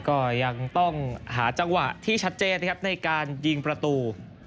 ก็ยังต้องหาจังหวะที่ชัดเจนนะครับในการยิงประตู